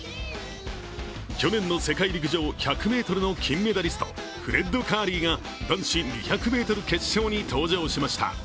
去年の世界陸上１００ｍの金メダリスト、フレッド・カーリーが男子２００ｍ決勝に登場しました。